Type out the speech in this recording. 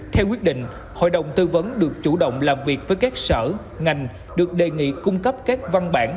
theo quyết định hội đồng tư vấn được chủ động làm việc với các sở ngành được đề nghị cung cấp các văn bản